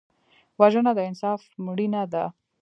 وژنه د انصاف مړینه ده